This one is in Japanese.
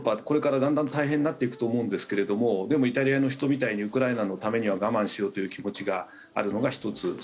これからだんだん大変になっていくと思うんですけれどもでもイタリアの人みたいにウクライナのためには我慢しようという気持ちがあるのが１つ。